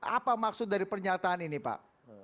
apa maksud dari pernyataan ini pak